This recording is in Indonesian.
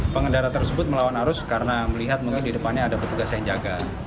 pengendara tersebut melawan arus karena melihat mungkin di depannya ada petugas yang jaga